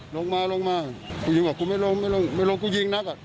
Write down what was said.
ลงมาลงมากูยิงบอกกูไม่ลงไม่ลงไม่ลงกูยิงนักอ่ะ